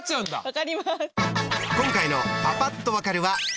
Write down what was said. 分かります。